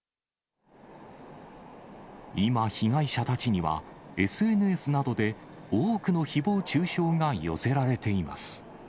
今、被害者たちには、ＳＮＳなどで多くのひぼう中傷が寄せられています。